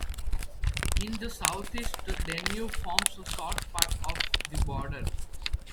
In the southeast the Danube forms a short part of the border.